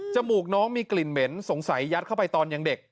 มูกน้องมีกลิ่นเหม็นสงสัยยัดเข้าไปตอนยังเด็ก